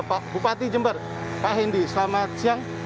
pak bupati jember pak hendi selamat siang